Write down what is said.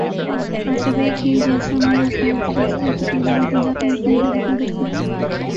اور جب ایک ہی جیسا مینہ آسماں سے برستا ہے تو کہیں رحمت بن جاتا ہے اور کہیں زحمت مگر کیوں